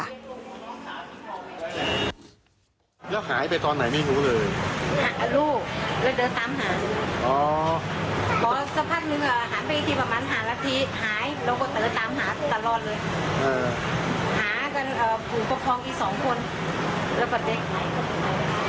ไปเดินตามหาตลาดเลยหากันขุ่งปกครองพี่๒คนแล้วก็เด็กไหนก็ไป